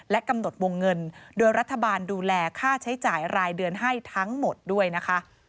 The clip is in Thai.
กำหนดวงเงินโดยรัฐบาลดูแลค่าใช้จ่ายรายเดือนให้ทั้งหมดด้วยนะคะ